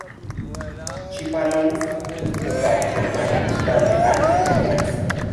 Ŝi parolis hungare, germane, itale, angle kaj france.